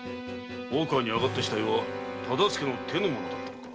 大川に上がった死体は忠相の手の者だったのか？